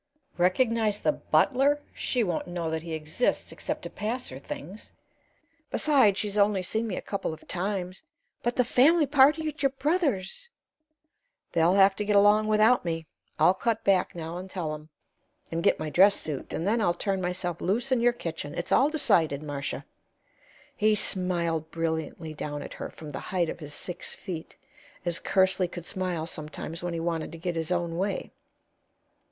"Recognize the butler? She won't know that he exists except to pass her things. Besides, she's only seen me a couple of times." "But the family party at your brother's?" "They'll have to get along without me. I'll cut back now and tell them, and get my dress suit, and then I'll turn myself loose in your kitchen. It's all decided, Marcia." He smiled brilliantly down at her from the height of his six feet, as Kersley could smile sometimes, when he wanted to get his own way.